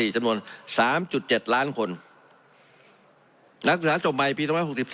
จำนวน๓๗ล้านคนนักศึกษาจบใหม่ปี๒๖๓